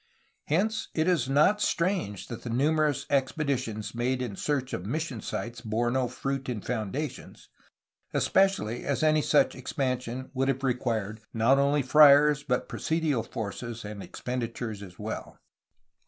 Hence it is not strange that the numerous expeditions made in search of mission sites bore no fruit in foundations, especially as any such expansion would have required not only friars but presidial forces and expenditures as well.